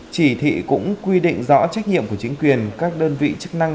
chỉ thị cũng quy định rõ trách nhiệm của chính quyền các đơn vị chức năng